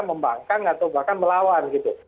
membangkang atau bahkan melawan gitu